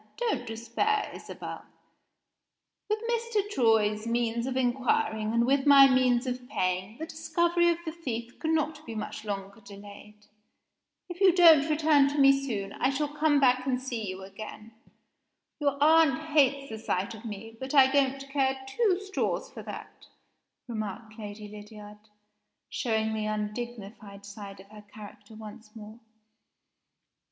Don't despair, Isabel. With Mr. Troy's means of inquiring, and with my means of paying, the discovery of the thief cannot be much longer delayed. If you don't return to me soon, I shall come back and see you again. Your aunt hates the sight of me but I don't care two straws for that," remarked Lady Lydiard, showing the undignified side of her character once more.